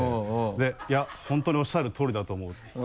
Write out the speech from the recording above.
で「いや本当におっしゃるとおりだと思う」って言って。